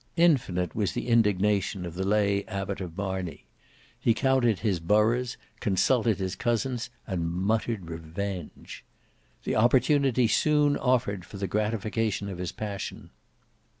Infinite was the indignation of the lay Abbot of Marney. He counted his boroughs, consulted his cousins, and muttered revenge. The opportunity soon offered for the gratification of his passion.